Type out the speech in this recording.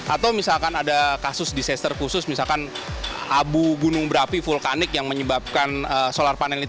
atau misalkan ada kasus disaster khusus misalkan abu gunung berapi vulkanik yang menyebabkan solar panel ini